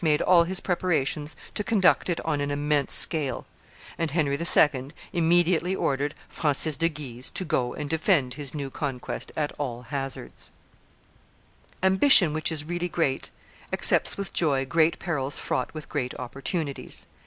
made all his preparations to conduct it on an immense scale, and Henry II. immediately ordered Francis de Guise to go and defend his new conquest at all hazards. [Illustration: DIANA DE POITIERS 243] Ambition which is really great accepts with joy great perils fraught with great opportunities.